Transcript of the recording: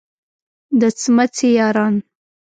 د څمڅې یاران.